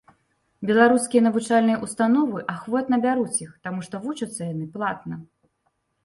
Беларускія навучальныя ўстановы ахвотна бяруць іх, таму што вучацца яны платна.